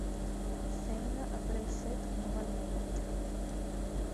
Feina a preu fet no val un pet.